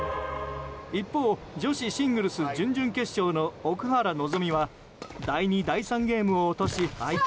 一方、女子シングルス準々決勝の奥原希望は第２、第３ゲームを落とし敗退。